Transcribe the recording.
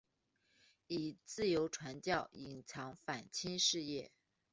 以自由传教隐藏反清事业。